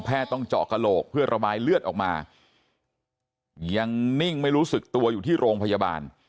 ต้องเจาะกระโหลกเพื่อระบายเลือดออกมายังนิ่งไม่รู้สึกตัวอยู่ที่โรงพยาบาล